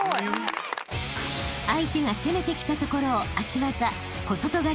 ［相手が攻めてきたところを足技］